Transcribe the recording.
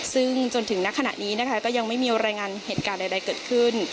ซึ่งจนถึงณขณะนี้นะคะก็ยังไม่มีรายงานเหตุการณ์ใดเกิดขึ้น